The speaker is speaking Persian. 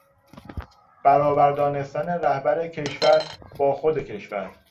برابر دانستن رهبر کشور با خود کشور